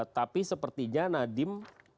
tapi sepertinya nadim